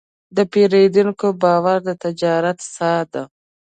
د پیرودونکي باور د تجارت ساه ده.